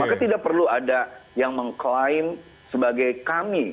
maka tidak perlu ada yang mengklaim sebagai kami